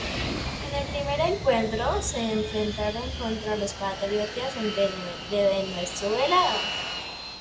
En el primer encuentro se enfrentaron contra los Patriotas de Venezuela.